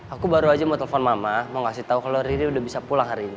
aku baru aja mau telfon mama mau kasih tau kalau riri udah bisa pulang hari ini